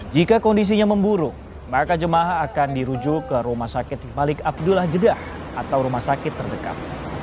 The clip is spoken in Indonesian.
jika kondisinya memburuk maka jemaah akan dirujuk ke rumah sakit balik abdullah jeddah atau rumah sakit terdekat